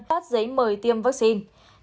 phát giấy mời tiêm vaccine